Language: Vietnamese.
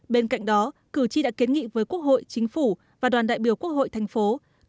bên cạnh đó cử tri đã kiến nghị với quốc hội chính phủ và đoàn đại biểu quốc hội thành phố